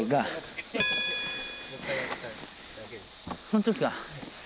本当ですか。